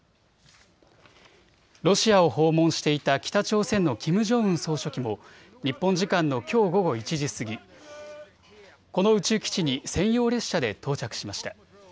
ロシアを訪問していた北朝鮮のキム・ジョンウン総書記も日本時間のきょう午後１時過ぎ、この宇宙基地に専用列車で到着しました。